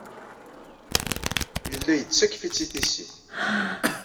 Yella yettakf-itt i tissit.